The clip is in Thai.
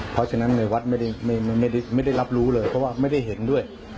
เพราะฉะนั้นในวัดไม่ได้รับรู้เลยเพราะว่าไม่ได้เห็นด้วย